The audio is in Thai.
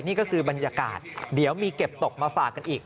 นี่ก็คือบรรยากาศเดี๋ยวมีเก็บตกมาฝากกันอีก